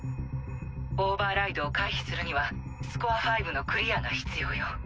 オーバーライドを回避するにはスコア５のクリアが必要よ。